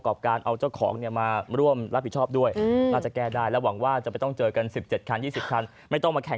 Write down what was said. โอเคขอบคุณทั้งสองท่านนะครับ